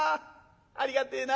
ありがてえな。